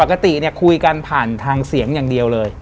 ปกติเนี่ยคุยกันผ่านทางเสียงอย่างเดียวเลย